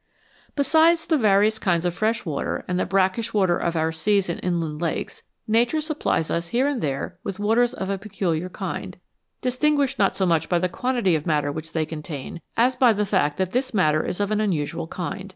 Besides the various kinds of fresh water and the brackish water of our seas and inland lakes, Nature supplies us here and there with waters of a peculiar kind, distinguished not so much by the quantity of matter which they contain as by the fact that this matter is of an unusual kind.